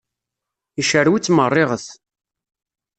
Yecrew-itt merriɣet!